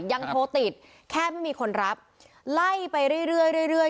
ยังโทรติดแค่ไม่มีคนรับไล่ไปเรื่อยเรื่อย